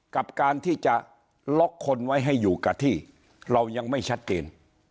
กับการที่จะล็อกคนไว้ให้อยู่กับที่เรายังไม่ชัดเจน